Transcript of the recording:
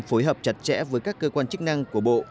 phối hợp chặt chẽ với các cơ quan chức năng của bộ